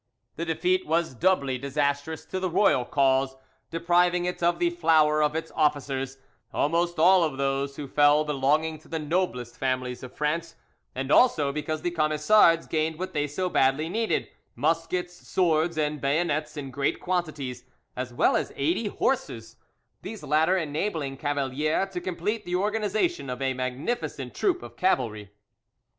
This defeat was doubly disastrous to the royal cause, depriving it of the flower of its officers, almost all of those who fell belonging to the noblest families of France, and also because the Camisards gained what they so badly needed, muskets, swords, and bayonets in great quantities, as well as eighty horses, these latter enabling Cavalier to complete the organisation of a magnificent troop of cavalry.